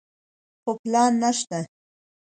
خو پلان نشته.